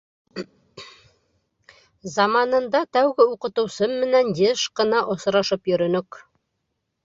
Заманында тәүге уҡытыусым менән йыш ҡына осрашып йөрөнөк.